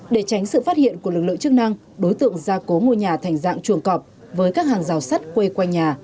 để tránh sự phát hiện của lực lượng chức năng đối tượng ra cố ngôi nhà thành dạng chuồng cọp với các hàng rào sắt quây quanh nhà